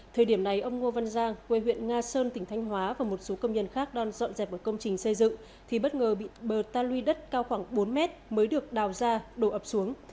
thời điểm này ông ngô văn giang quê huyện nga sơn tỉnh thanh hóa và một số công nhân khác đang dọn dẹp ở công trình xây dựng thì bất ngờ bị bờ ta lui đất cao khoảng bốn mét mới được đào ra đổ ập xuống